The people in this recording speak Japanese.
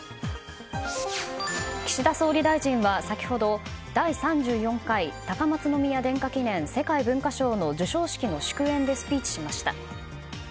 岸田総理大臣は先ほど第３４回高松宮殿下記念世界文化賞の授賞式の祝宴でスピーチしました。